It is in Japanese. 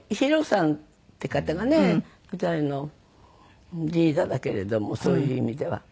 ＨＩＲＯさんっていう方がねＥＸＩＬＥのリーダーだけれどもそういう意味では。